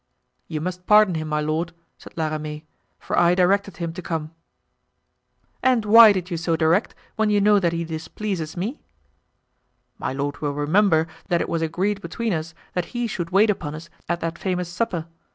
"You must pardon him, my lord," said La Ramee, "for I directed him to come." "And why did you so direct when you know that he displeases me?" "My lord will remember that it was agreed between us that he should wait upon us at that famous supper.